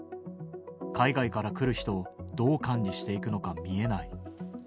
海外から来る人をどう管理していくのか見えない。